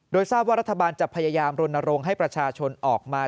โดยทราบว่ารัฐบาลจะพยายามรณรงค์ให้ประชาชนออกมา